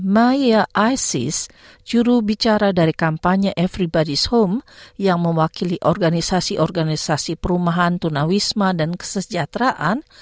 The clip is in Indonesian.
maya isis jurubicara dari kampanye everybody s home yang mewakili organisasi organisasi perumahan tunawisma dan kesejahteraan